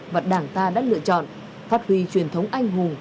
và đảng ta đã lựa chọn phát huy truyền thống anh hùng